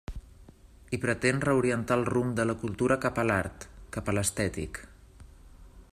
I pretén reorientar el rumb de la cultura cap a l'art, cap a l'estètic.